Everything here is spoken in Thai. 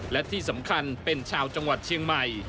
และที่สำคัญเป็นชาวจังหวัดเชียงใหม่